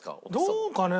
どうかね？